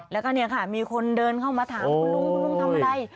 แล้วก็เนี่ยค่ะมีคนเดินเข้ามาถามคุณลุงคุณลุงทำอะไร